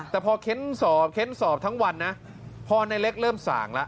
แต่พอเค้นสอบเค้นสอบทั้งวันนะพอในเล็กเริ่มส่างแล้ว